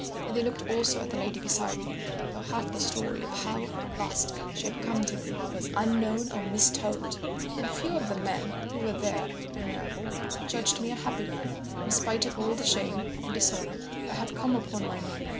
And they looked also at the lady beside me, though half the story of how at last she had come to me was unknown or mistold. And few of the men who were there, I know, but judged me a happy man, in spite of all the shame and dishonour that had come upon my name.